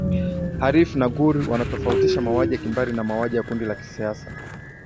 harff na gurr wanatofautisha mauaji ya kimbari na mauaji ya kundi la kisiasa